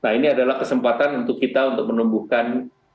nah ini adalah kesempatan untuk kita untuk menumbuhkan